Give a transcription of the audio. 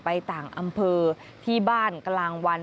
ไปต่างอำเภอที่บ้านกลางวัน